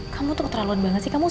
kamu tuh keterlaluan banget sih kamu